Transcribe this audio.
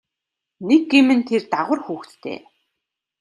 Нэг гэм нь тэр дагавар хүүхэдтэй.